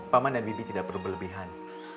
paman dan bibi tidak perlu berlebihan